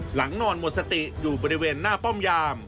นอนหมดสติอยู่บริเวณหน้าป้อมยาม